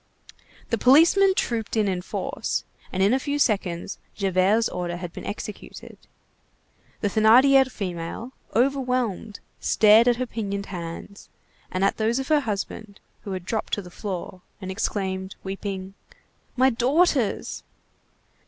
The policemen trooped in in force, and in a few seconds Javert's order had been executed. The Thénardier female, overwhelmed, stared at her pinioned hands, and at those of her husband, who had dropped to the floor, and exclaimed, weeping:— "My daughters!"